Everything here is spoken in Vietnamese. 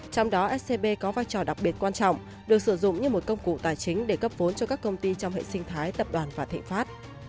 trong đó scb có vai trò đặc biệt quan trọng được sử dụng như một công cụ tài chính để cấp vốn cho các công ty trong hệ sinh thái tập đoàn vạn thịnh pháp